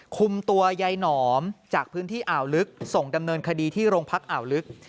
คุมตัวยายหนอมจากพื้นที่อ่าวลึกส่งดำเนินคดีที่โรงพักอ่าวลึก